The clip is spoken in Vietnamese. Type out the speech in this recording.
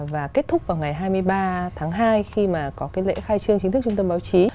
và kết thúc vào ngày hai mươi ba tháng hai khi mà có cái lễ khai trương chính thức trung tâm báo chí